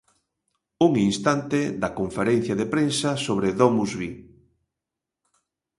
Un instante da conferencia de prensa sobre DomusVi.